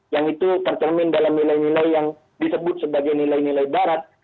yang itu tercermin dalam nilai nilai yang disebut sebagai nilai nilai barat